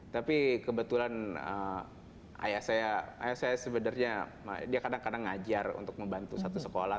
tapi kebetulan ayah saya sebenarnya dia kadang kadang ngajar untuk membantu satu sekolah